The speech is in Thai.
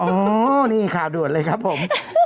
โอ้นี่ข่าวด่วนเลยครับผม